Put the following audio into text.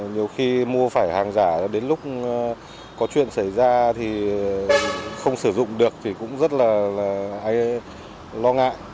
nhiều khi mua phải hàng giả đến lúc có chuyện xảy ra thì không sử dụng được thì cũng rất là ai lo ngại